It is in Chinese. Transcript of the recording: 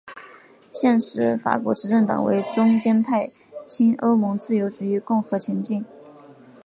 现时法国执政党为中间派亲欧盟自由主义共和前进！